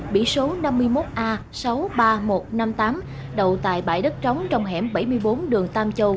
biển số năm mươi một a sáu mươi ba nghìn một trăm năm mươi tám đầu tại bãi đất trống trong hẻm bảy mươi bốn đường tam châu